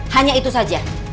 hanya itu saja